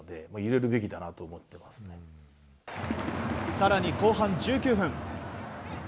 更に後半１９分。